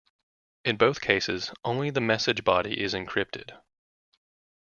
In both cases, only the message body is encrypted.